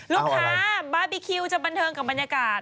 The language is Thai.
ลูกค้าบาร์บีคิวจะบันเทิงกับบรรยากาศ